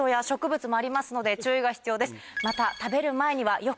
また。